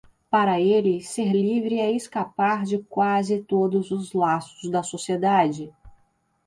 Para ele, ser livre é escapar de quase todos os laços da sociedade.